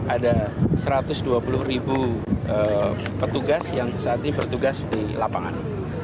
ada satu ratus dua puluh ribu petugas yang saat ini bertugas di lapangan